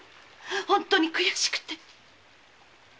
本当に悔しくて。